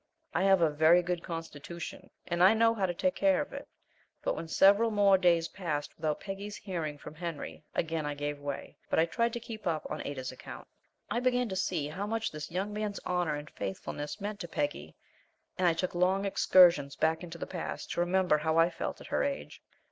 I have a very good constitution and I know how to take care of it, but when several more days passed without Peggy's hearing from Henry again I gave way, but I tried to keep up on Ada's account. I began to see how much this young man's honor and faithfulness meant to Peggy, and I took long excursions back into the past to remember how I felt at her age.